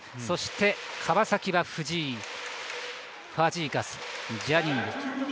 そして、川崎は藤井ファジーカス、ジャニング。